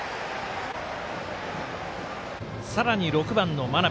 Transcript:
さらに６番の真鍋。